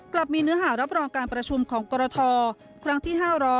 มีเนื้อหารับรองการประชุมของกรทครั้งที่๕๐๐